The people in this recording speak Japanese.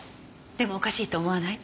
でもおかしいと思わない？